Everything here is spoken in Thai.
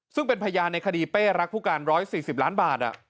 ซึ่งเป็นพยานในคดีเป้รักผู้การ๑๔๐ล้านบาท